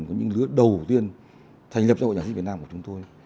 một lứa đầu tiên thành lập xã hội nhạc sĩ việt nam của chúng tôi